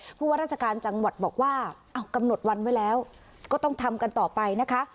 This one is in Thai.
ผู้ว่าราชการจังหวัดบอกว่ากำหนดวันไว้แล้วก็ต้องทำกันต่อไปนะคะ